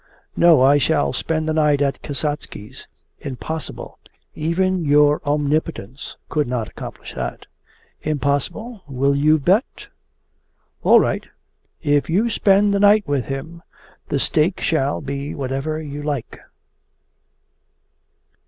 'No, I shall spend the night at Kasatsky's!' 'Impossible! Even your omnipotence could not accomplish that!' 'Impossible? Will you bet?' 'All right! If you spend the night with him, the stake shall be whatever you like.